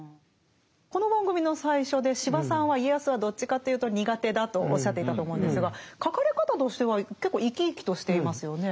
この番組の最初で司馬さんは家康はどっちかというと苦手だとおっしゃっていたと思うんですが書かれ方としては結構生き生きとしていますよね。